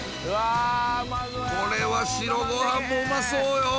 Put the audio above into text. これは白ごはんもうまそうよ。